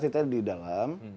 ceritanya di dalam